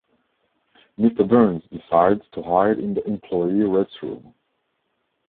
Mister Burns decides to hide in the employee restroom.